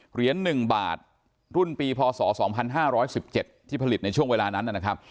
เหรียญหนึ่งบาทรุ่นปีพศสองพันห้าร้อยสิบเจ็ดที่ผลิตในช่วงเวลานั้นนะครับ